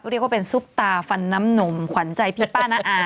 เรียกว่าเป็นซุปตาฟันน้ำนมขวัญใจพี่ป้าน้าอา